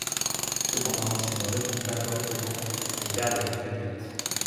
Cependant s'ils ne répondent pas correctement, ils perdent leur cagnotte.